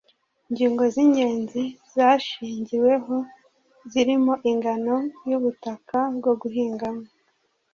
ingingo z'ingenzi zashingiweho zirimo ingano y'ubutaka bwo guhingamo